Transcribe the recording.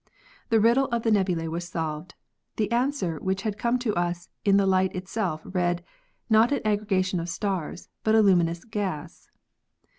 The riddle of the nebulae was solved. The answer, which had come to us in the light itself, read: Not an aggregation of stars, but a luminous gas."